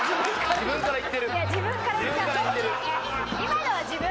自分からいった。